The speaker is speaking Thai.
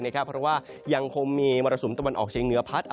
เพราะว่ายังคงมีมรสุมตะวันออกเชียงเหนือพัด